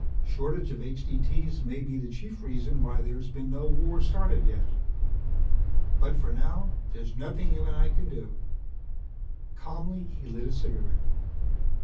Shortage of H.D.T.'s may be the chief reason why there's been no war started yet. But for now there's nothing you and I can do." Calmly he lit a cigarette.